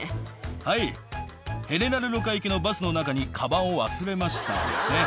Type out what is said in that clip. はい、ヘネラルロカ行きのバスの中にかばんを忘れましたですね。